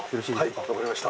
はい、分かりました。